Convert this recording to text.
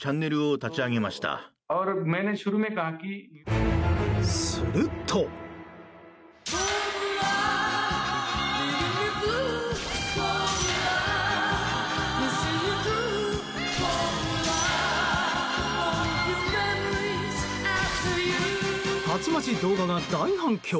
たちまち動画が大反響！